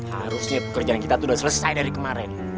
harusnya pekerjaan kita tuh udah selesai dari kemarin